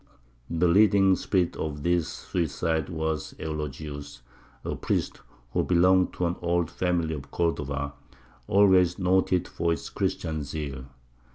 The leading spirit of these suicides was Eulogius, a priest who belonged to an old family of Cordova, always noted for its Christian zeal.